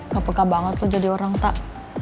ga peka banget lo jadi orang tak